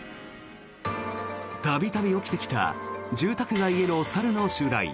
度々起きてきた住宅街への猿の襲来。